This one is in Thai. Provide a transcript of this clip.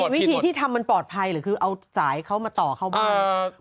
วิธีที่ทำมันปลอดภัยหรือคือเอาสายเขามาต่อเขาบ้าง